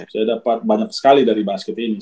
saya dapat banyak sekali dari basket ini